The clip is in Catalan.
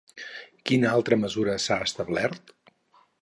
Quina altra mesura s'ha establert?